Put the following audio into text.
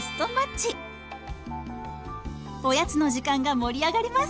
おやつの時間が盛り上がります！